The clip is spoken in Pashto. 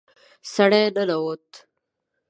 سړی ننوت.